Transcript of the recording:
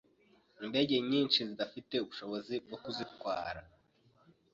indege nyinshi zidafite ubushobozi bwo kuzitwara.